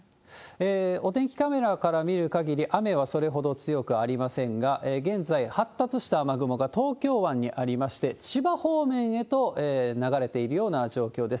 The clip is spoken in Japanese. お天気カメラから見る限り、雨はそれほど強くありませんが、現在、発達した雨雲が東京湾にありまして、千葉方面へと流れているような状況です。